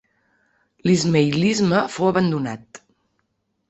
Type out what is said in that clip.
L'ismaïlisme fou abandonat.